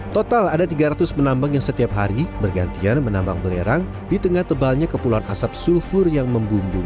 total ada tiga ratus penambang yang setiap hari bergantian menambang belerang di tengah tebalnya kepulan asap sulfur yang membumbung